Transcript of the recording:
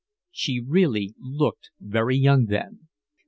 She really looked very young then.